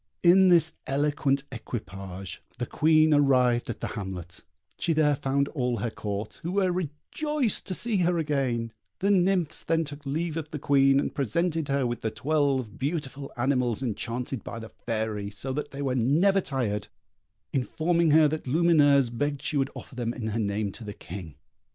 In this elegant equipage the Queen arrived at the hamlet; she there found all her Court, who were rejoiced to see her again; the nymphs then took leave of the Queen, and presented her with the twelve beautiful animals enchanted by the Fairy, so that they were never tired, informing her that Lumineuse begged she would offer them in her name to the King.